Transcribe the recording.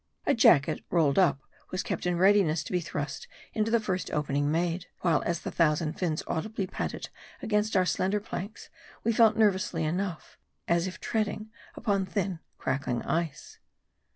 A jacket, rolled up, was kept in readi ness to be thrust into the first opening made ; while as the thousand fins audibly patted against our slender planks, we felt nervously enough ; as if treading upon thin, crackling ice.